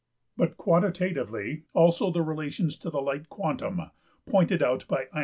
But quantitatively also the relations to the light quantum, pointed out by Einstein (p.